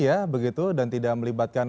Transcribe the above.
iya begitu dan tidak melibatkan